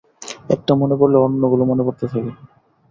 একটা মনে পড়লে, অন্যগুলো মনে পড়তে থাকে।